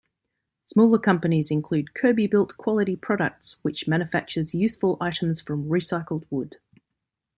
Smaller companies include KirbyBuilt Quality Products, which manufactures useful items from recycled wood.